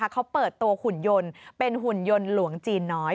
เขาเปิดตัวหุ่นยนต์เป็นหุ่นยนต์หลวงจีนน้อย